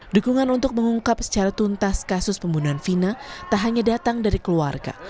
dukungan untuk mengungkap secara tuntas kasus pembunuhan vina tak hanya datang dari keluarga